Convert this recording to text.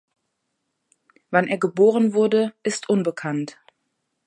Wann er geboren wurde, ist unbekannt.